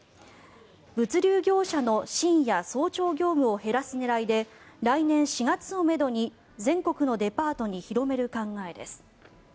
物流業者の深夜・早朝業務を減らす狙いで来年４月をめどに全国のデパートに広める考えです。